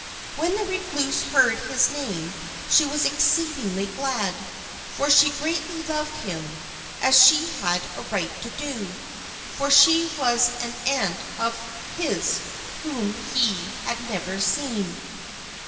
When the recluse heard his name she was exceeding glad, for she greatly loved him, as she had a right to do, for she was an aunt of his whom he had never seen.